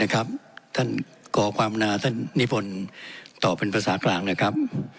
ท่านขอความนาท่านนิพนธ์ตอบเป็นภาษากลางนะครับ